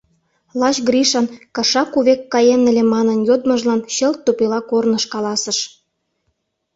Лач Гришан «кыша кувек каен ыле» манын йодмыжлан чылт тупела корныш каласыш.